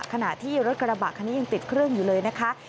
ขณะที่รถกระบะคันนี้ยังติดเครื่องอยู่เลยนะคะ